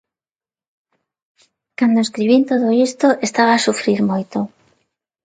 Cando escribín todo isto estaba a sufrir moito.